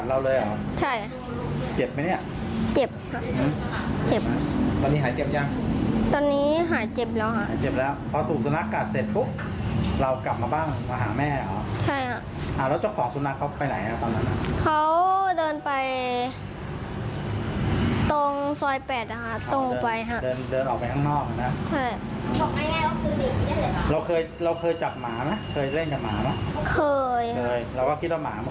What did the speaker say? เราเคยจับหมานะเคยเล่นจับหมานะเคยเราก็คิดว่าหมามันคงไม่ดุนะฮะใช่